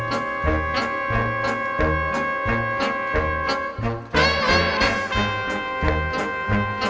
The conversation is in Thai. ไข่เข้มไข่ลวกทั้งไข่หวานกับไข่ต้มสุขนาน